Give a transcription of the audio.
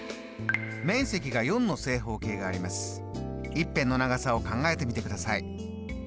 １辺の長さを考えてみてください。